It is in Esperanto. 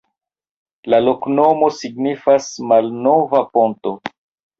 La loknomo signifas: malnova ponto.